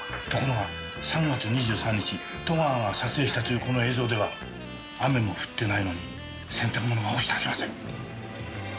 ところが３月２３日戸川が撮影したというこの映像では雨も降ってないのに洗濯物が干してありません。